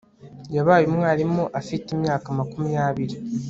Yabaye umwarimu afite imyaka makumyabiri